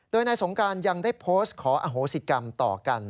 โดยนายสงการยังได้โพสต์ขออโหสิกรรมต่อกัน